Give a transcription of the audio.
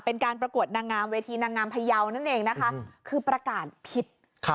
เป็นการประกวดนางงามเวทีนางงามพยาวนั่นเองนะคะคือประกาศผิด